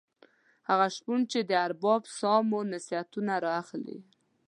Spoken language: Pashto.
هغه شپون چې د ارباب سامو نصیحتونه را اخلي.